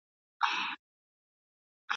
اسلام دغه غوښتنه په ښه توګه تنظیم کړي ده.